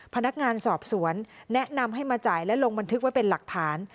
พนักงานสอบสวนแนะนำให้มาจ่ายและลงบันทึกไว้เป็นหลักฐาน